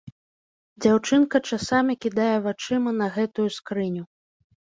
Дзяўчынка часамі кідае вачыма на гэтую скрыню.